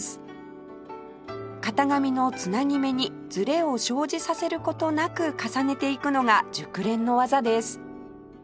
型紙のつなぎ目にズレを生じさせる事なく重ねていくのが熟練の技です